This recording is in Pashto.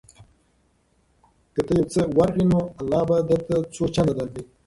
که ته یو څه ورکړې نو الله به درته څو چنده درکړي.